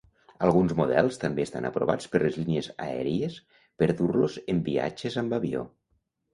Alguns models també estan aprovats per les línies aèries per dur-los en viatges amb avió.